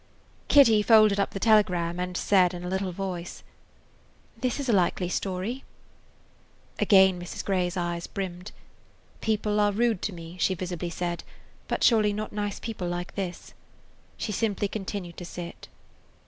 Kitty folded up the telegram and said in a little voice: "This is a likely story." Again Mrs. Grey's eyes brimmed. "People are rude to one," she visibly said, but surely not nice people like this. She simply continued to sit.